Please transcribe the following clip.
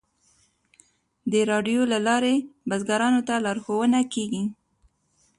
د راډیو له لارې بزګرانو ته لارښوونه کیږي.